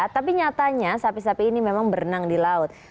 tapi nyatanya sapi sapi ini memang berenang di laut